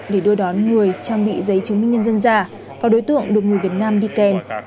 để đưa đón người trang bị giấy chứng minh nhân dân giả có đối tượng được người việt nam đi kèm